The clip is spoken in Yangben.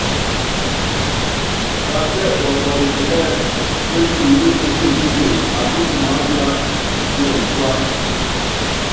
Taatɛ́ɛ wɔkɔyitɛ ɛ́ɛ́ pétili wú ésekúle akí umaápíá tuɔŋu tuáta.